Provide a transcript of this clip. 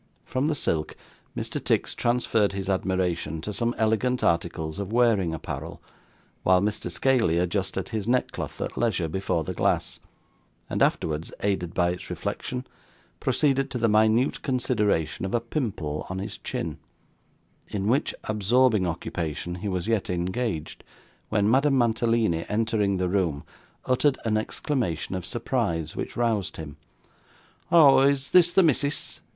From the silk, Mr. Tix transferred his admiration to some elegant articles of wearing apparel, while Mr. Scaley adjusted his neckcloth, at leisure, before the glass, and afterwards, aided by its reflection, proceeded to the minute consideration of a pimple on his chin; in which absorbing occupation he was yet engaged, when Madame Mantalini, entering the room, uttered an exclamation of surprise which roused him. 'Oh! Is this the missis?